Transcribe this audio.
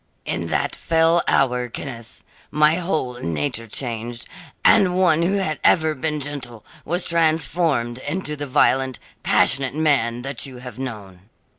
"In that fell hour, Kenneth, my whole nature changed, and one who had ever been gentle was transformed into the violent, passionate man that you have known.